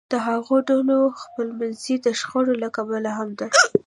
د هغو ډلو د خپلمنځي شخړو له کبله هم ده